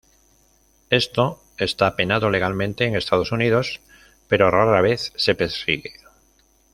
Esto está penado legalmente en Estados Unidos, pero rara vez se persigue.